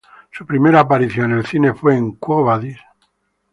Su primera aparición en el cine fue en "Quo Vadis?